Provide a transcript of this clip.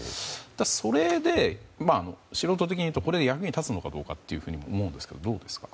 それで、素人的に言うとこれで役に立つのかどうかとも思うんですが、どうですか？